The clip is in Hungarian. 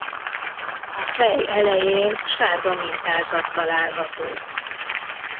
A fej elején sárga mintázat található.